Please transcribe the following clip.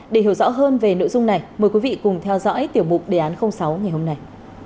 để hiểu rõ hơn về nội dung này mời quý vị cùng theo dõi tiểu mục đề án sáu ngày hôm nay